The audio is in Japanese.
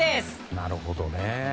なるほどね。